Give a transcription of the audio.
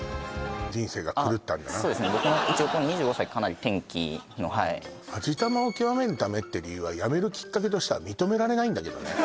僕の一応この２５歳かなり転機のはい味玉を極めるためって理由は辞めるきっかけとしては認められないんだけどね